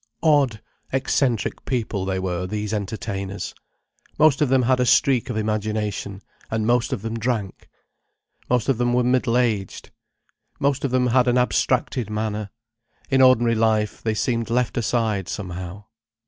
Odd, eccentric people they were, these entertainers. Most of them had a streak of imagination, and most of them drank. Most of them were middle aged. Most of them had an abstracted manner; in ordinary life, they seemed left aside, somehow.